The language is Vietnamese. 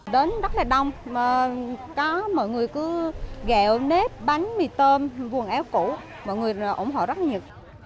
đến rất là đông mọi người cứ ghèo nếp bánh mì tôm vùng eo củ mọi người ổn hòa rất nhiều